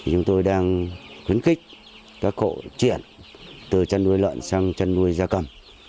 chúng tôi đang khuyến khích các hộ chuyển từ chân nuôi lợn sang chân nuôi gia cầm